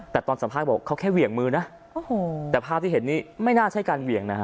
แต่ตอนสัมภาษณ์บอกเขาแค่เหวี่ยงมือนะโอ้โหแต่ภาพที่เห็นนี้ไม่น่าใช่การเหวี่ยงนะฮะ